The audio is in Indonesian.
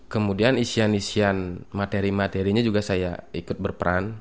kemudian isian isian materi materinya juga saya ikut berperan